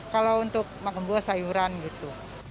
kalau untuk makan buah sayuran gitu